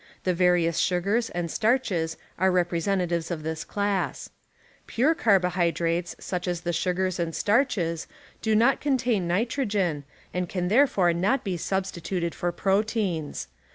The various sugars and starches arc representatives of this class. Pure car „,, bohvdrates such as the sugars and starches do Larbony ■ "i ,/•, not contain nitrogen and can thereiore not be substituted for proteins.